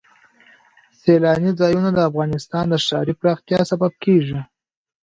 سیلانی ځایونه د افغانستان د ښاري پراختیا سبب کېږي.